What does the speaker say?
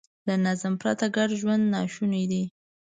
له نظم پرته ګډ ژوند ناشونی دی.